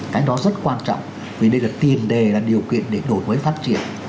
cái đó rất quan trọng vì đây là tiền đề là điều kiện để đổi mới phát triển